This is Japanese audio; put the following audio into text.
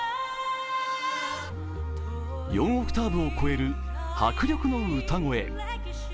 ４オクターブを超える迫力の歌声。